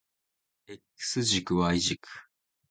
X 軸 Y 軸